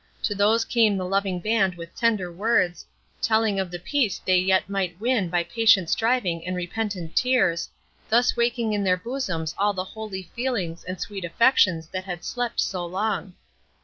To these came the loving band with tender words, telling of the peace they yet might win by patient striving and repentant tears, thus waking in their bosoms all the holy feelings and sweet affections that had slept so long.